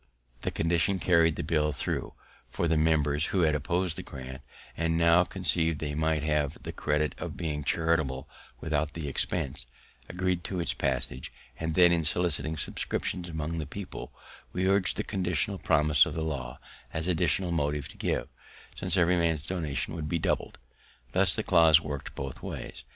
This condition carried the bill through; for the members, who had oppos'd the grant, and now conceiv'd they might have the credit of being charitable without the expense, agreed to its passage; and then, in soliciting subscriptions among the people, we urg'd the conditional promise of the law as an additional motive to give, since every man's donation would be doubled; thus the clause work'd both ways.